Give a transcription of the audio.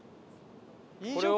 これを？